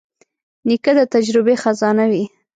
نیکه د تجربې خزانه وي.